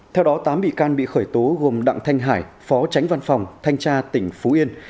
theo đó tám bị can bị khởi tố gồm đặng thanh hải phó tránh văn phòng thanh tra tỉnh phú yên